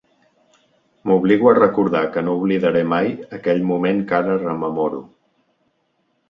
M'obligo a recordar que no oblidaré mai aquell moment que ara rememoro.